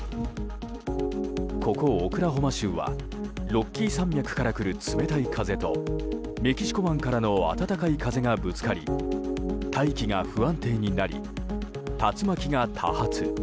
ここオクラホマ州はロッキー山脈から来る冷たい風とメキシコ湾からの温かい風がぶつかり大気が不安定になり竜巻が多発。